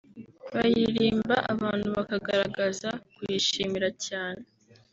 bayiririmba abantu bakagaragaza kuyishimira cyane